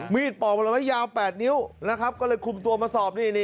ปอกผลไม้ยาว๘นิ้วนะครับก็เลยคุมตัวมาสอบนี่